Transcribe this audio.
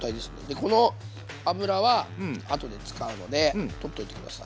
この油は後で使うので取っといて下さい。